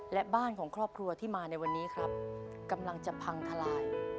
และบ้านของครอบครัวที่มาในวันนี้ครับกำลังจะพังทลาย